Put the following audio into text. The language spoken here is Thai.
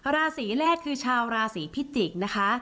ราศีแรกคือชาวราศีพิจิกษ์นะคะ